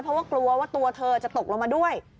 เพราะว่ากลัวว่าตัวเธอจะตกลงมาด้วย